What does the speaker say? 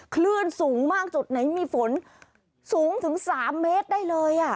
คลื่นสูงมากจุดไหนมีฝนสูงถึง๓เมตรได้เลย